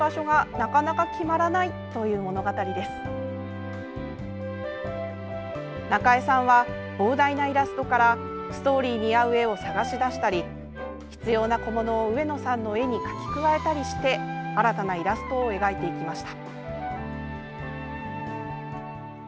なかえさんは膨大なイラストからストーリーに合う絵を探し出したり必要な小物を上野さんの絵に描き加えたりして新たなイラストを描いていきました。